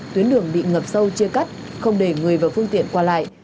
tuyến đường bị ngập sâu chia cắt không để người và phương tiện qua lại